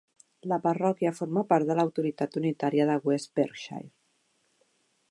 La parròquia forma part de l'autoritat unitària de West Berkshire.